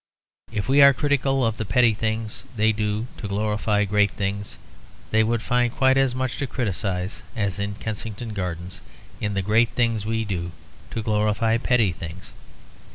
If we are critical of the petty things they do to glorify great things, they would find quite as much to criticise (as in Kensington Gardens) in the great things we do to glorify petty things.